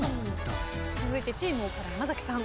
続いてチーム岡田山崎さん。